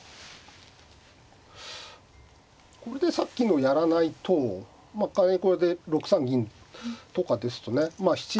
これでさっきのをやらないとまあ仮にこれで６三銀とかですとね